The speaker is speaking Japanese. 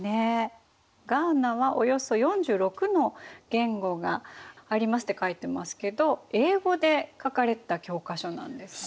ガーナはおよそ４６の言語がありますって書いてますけど英語で書かれた教科書なんですね。